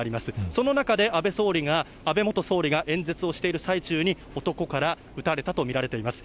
その中で安倍総理が、安倍元総理が演説をしている最中に、男から撃たれたと見られています。